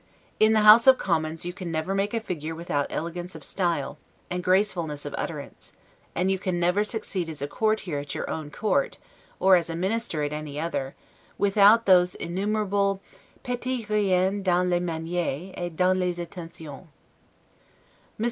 In the House of Commons you can never make a figure without elegance of style, and gracefulness of utterance; and you can never succeed as a courtier at your own Court, or as a minister at any other, without those innumerable 'petite riens dans les manieres, et dans les attentions'. Mr.